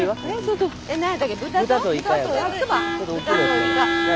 はい！